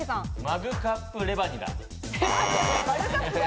マグカップレバニラ。